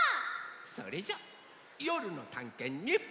それじゃあよるのたんけんに。